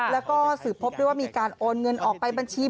แล้วก็สืบพบด้วยว่ามีการโอนเงินออกไปบัญชี